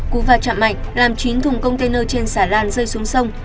cú va chạm mạnh làm chín thùng container trên xà lan rơi xuống sông